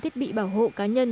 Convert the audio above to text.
thiết bị bảo hộ cá nhân